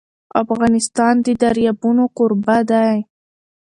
افغانستان د دریابونه کوربه دی.